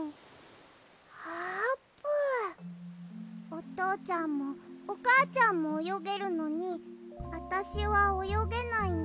おとうちゃんもおかあちゃんもおよげるのにあたしはおよげないんだ。